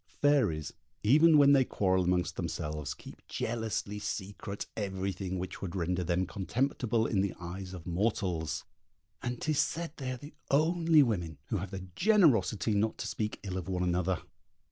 Fairies, even when they quarrel amongst themselves, keep jealously secret everything which would render them contemptible in the eyes of mortals, and 'tis said they are the only women who have the generosity not to speak ill of one another.